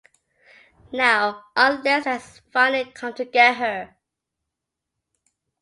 Now Aunt Liss has finally come to get her.